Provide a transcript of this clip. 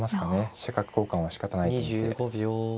飛車角交換はしかたないと見て。